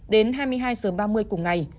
đến hai mươi hai h ba mươi cùng ngày